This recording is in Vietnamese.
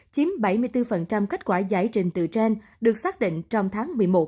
chiếm bảy mươi bốn kết quả giải trình từ trên được xác định trong tháng một mươi một